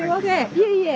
いえいえ。